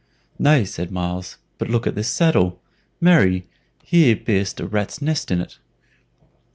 "Nay," said Myles; "but look at this saddle. Marry, here be'st a rat's nest in it."